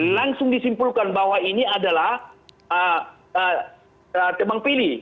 langsung disimpulkan bahwa ini adalah tebang pilih